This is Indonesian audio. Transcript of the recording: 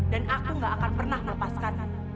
dan aku tidak akan pernah melepaskanmu